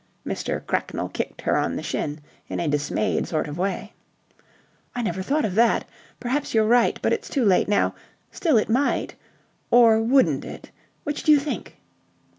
Mr. Cracknell kicked her on the shin in a dismayed sort of way. "I never thought of that. Perhaps you're right. But it's too late now. Still, it might. Or wouldn't it? Which do you think?"